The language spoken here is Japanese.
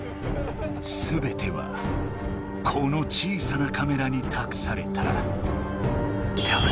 すべてはこの小さなカメラにたくされた。